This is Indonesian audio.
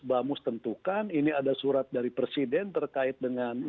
bamus tentukan ini ada surat dari presiden terkait dengan